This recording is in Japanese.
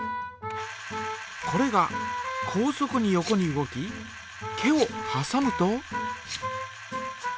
これが高速に横に動き毛をはさむと。